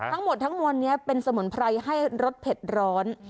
ทั้งหมดทั้งมวลนี้เป็นสมุนไพรให้รสเผ็ดร้อน